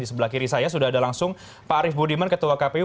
di sebelah kiri saya sudah ada langsung pak arief budiman ketua kpu